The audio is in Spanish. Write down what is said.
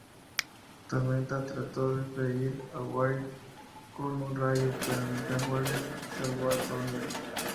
Tormenta trató de freír a Wraith con un rayo, pero Nightcrawler salvó al coronel.